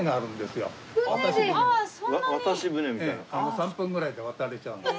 ３分ぐらいで渡れちゃうんで。